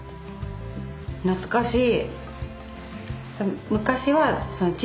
懐かしい！